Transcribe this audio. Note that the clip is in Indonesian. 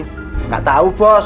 tidak tahu bos